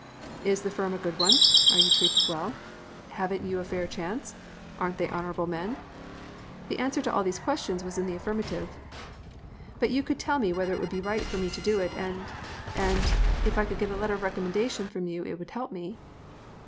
"'Is the firm a good one? Are you treated well? Haven't you a fair chance? Aren't they honourable men?' "The answer to all these questions was in the affirmative. "'But you could tell me whether it would be right for me to do it, and and if I could get a letter of recommendation from you it would help me.'